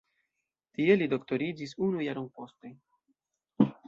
Tie li doktoriĝis unu jaron poste.